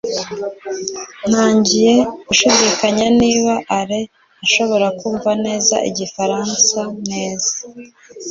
ntangiye gushidikanya niba alain ashobora kumva neza igifaransa neza